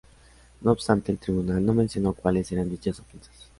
No obstante, el tribunal no mencionó cuales eran dichas ofensas.